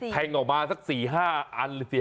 แทงออกมาสัก๔๕ต้นเลย